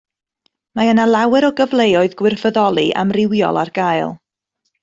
Mae yna lawer o gyfleoedd gwirfoddoli amrywiol ar gael